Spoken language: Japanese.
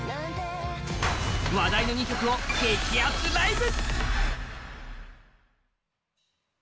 話題の２曲を激アツライブ。